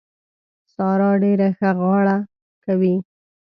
سارا ډېره ښه غاړه کوي.